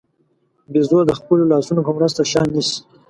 بیزو د خپلو لاسونو په مرسته شیان نیسي.